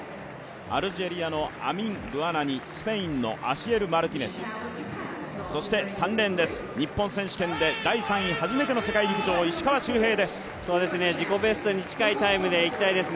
アルジェリアのアミン・ブアナニ、スペインのアシエル・マルティネスそして３レーンです、日本選手権で第３位初めての自己ベスト、石川周平です。